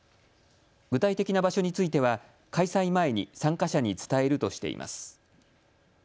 具体的な場所については開催前に参加者に伝えるとしています。